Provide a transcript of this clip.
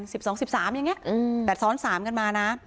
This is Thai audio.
สิบสองสิบสามอย่างเงี้อืมแต่ซ้อนสามกันมานะ